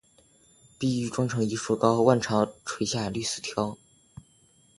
碧玉妆成一树高，万条垂下绿丝绦